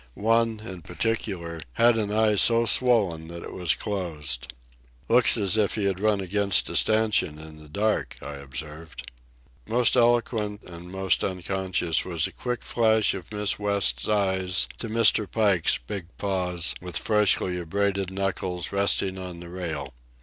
One, in particular, had an eye so swollen that it was closed. "Looks as if he had run against a stanchion in the dark," I observed. Most eloquent, and most unconscious, was the quick flash of Miss West's eyes to Mr. Pike's big paws, with freshly abraded knuckles, resting on the rail.